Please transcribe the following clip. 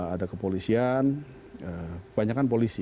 ada kepolisian kebanyakan polisi